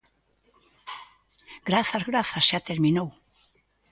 ¡Grazas, grazas, xa terminou!